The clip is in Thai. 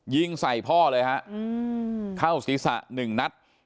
ยิงใส่พ่อเลยฮะเข้าศีรษะ๑นัท